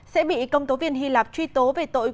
sẽ bị công tố viên hy lạp truy tố về tội